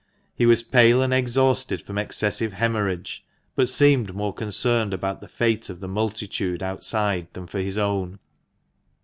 He was pale and exhausted from excessive haemorrhage, but seemed more concerned about the fate of the multitude outside than for his own.